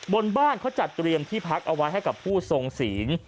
บนบ้านเขาจัดเตรียมที่พักเอาไว้ให้กับผู้ทรงศีล